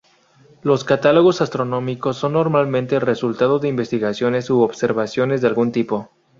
Los catálogos astronómicos son normalmente el resultado de investigaciones u observaciones de algún tipo.